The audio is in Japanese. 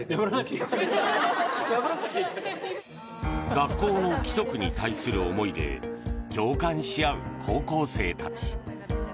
学校の規則に対する思いで共感し合う高校生たち。